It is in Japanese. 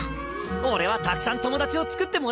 俺はたくさん友達をつくってもらう！